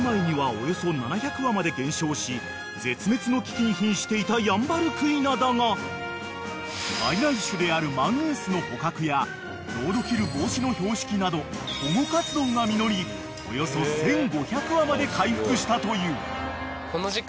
［絶滅の危機にひんしていたヤンバルクイナだが外来種であるマングースの捕獲やロードキル防止の標識など保護活動が実りおよそ１，５００羽まで回復したという］